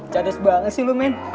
cades banget sih lo men